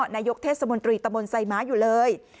นายกเทศมนตรีตะมนต์ไซม้าอยู่เลย